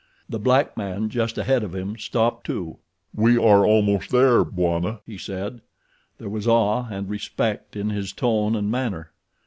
The black man just ahead of him stopped, too. "We are almost there, Bwana," he said. There was awe and respect in his tone and manner.